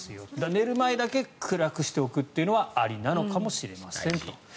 寝る前だけ暗くしておくというのはありなのかもしれませんと。